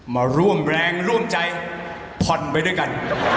มาร่วมแรงร่วมใจผ่อนไปด้วยกัน